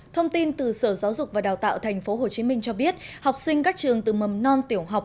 thông tin từ sở giáo dục và đào tạo tp hcm cho biết học sinh các trường từ mầm non tiểu học